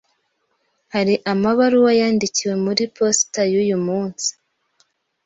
Hari amabaruwa yandikiwe muri posita yuyu munsi?